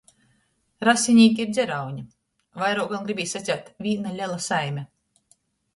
Rasinīki ir dzeraune, vaira gon gribīs saceit – vīna lela saime!